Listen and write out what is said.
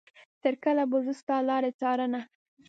تر کله به زه ستا لارې څارنه.